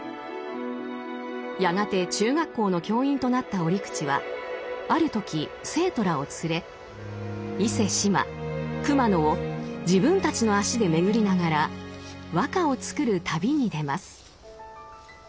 やがて中学校の教員となった折口はある時生徒らを連れ伊勢志摩熊野を自分たちの足で巡りながら和歌を作る旅に出ます。